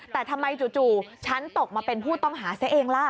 แต่ทำไมจู่ฉันตกมาเป็นผู้ต้องหาซะเองล่ะ